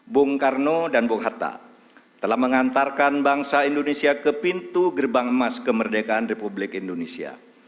bung karno dan bung hatta telah mengantarkan bangsa indonesia ke pintu gerbang emas kemerdekaan republik indonesia